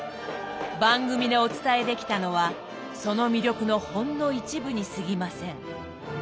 番組でお伝えできたのはその魅力のほんの一部にすぎません。